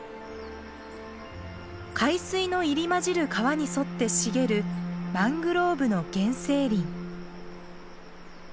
海水の入り混じる川に沿って茂るマングローブの原生林。